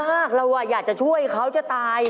เราอยากจะช่วยเขาจะตาย